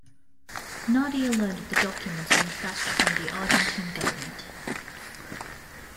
Nadia learned the documents were in fact from the Argentine government.